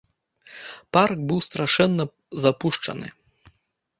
Парк быў страшэнна запушчаны.